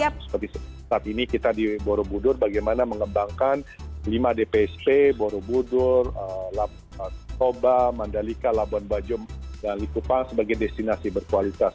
seperti saat ini kita di borobudur bagaimana mengembangkan lima dpsp borobudur toba mandalika labuan bajo dan likupang sebagai destinasi berkualitas